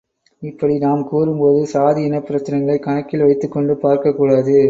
இப்படி நாம் கூறும்போது சாதி இனப்பிரச்னைகளைக் கணக்கில் வைத்துக் கொண்டு பார்க்கக்கூடாது.